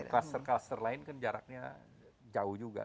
cluster cluster lain kan jaraknya jauh juga